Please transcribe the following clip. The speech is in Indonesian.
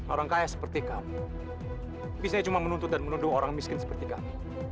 orang kaya seperti kamu bisanya cuma menuntut dan menunduk orang miskin seperti kamu